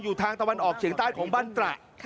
ทางตะวันออกเฉียงใต้ของบ้านตระ